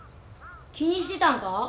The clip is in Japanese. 気にしてたんか？